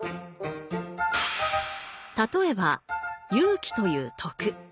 例えば「勇気」という徳。